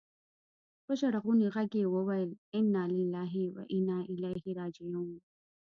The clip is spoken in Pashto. په ژړغوني ږغ يې وويل انا لله و انا اليه راجعون.